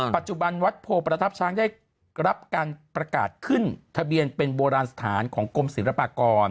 ปัจจุบันวัดโพประทับช้างได้รับการประกาศขึ้นทะเบียนเป็นโบราณสถานของกรมศิลปากร